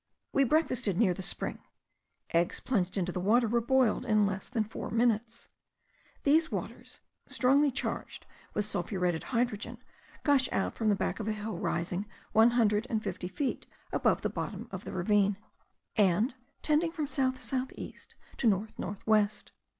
We breakfasted near the spring; eggs plunged into the water were boiled in less than four minutes. These waters, strongly charged with sulphuretted hydrogen, gush out from the back of a hill rising one hundred and fifty feet above the bottom of the ravine, and tending from south south east to north north west.